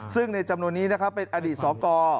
ซึ่งในจำนวนนี้เป็นอดีตสอกร